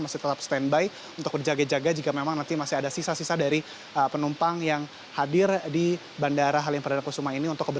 masih tetap standby untuk berjaga jaga jika memang nanti masih ada sisa sisa dari penumpang yang hadir di bandara halim perdana kusuma ini